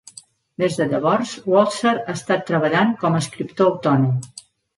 Des de llavors, Walser ha estat treballant com a escriptor autònom.